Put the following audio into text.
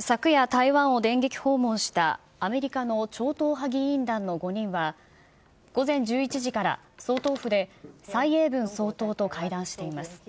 昨夜、台湾を電撃訪問したアメリカの超党派議員団の５人は、午前１１時から総統府で蔡英文総統と会談しています。